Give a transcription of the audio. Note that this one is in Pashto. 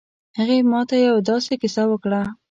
هغې ما ته یو ه داسې کیسه وکړه